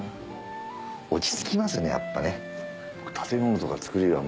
落ち着きますねやっぱね。